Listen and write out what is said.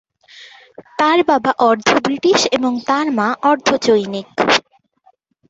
তার বাবা অর্ধ ব্রিটিশ এবং তার মা অর্ধ চৈনিক।